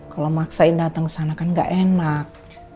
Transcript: kalau maksain datang kesana kan gak enak